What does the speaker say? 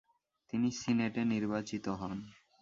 তিনি সিনেটে নির্বাচিত হন।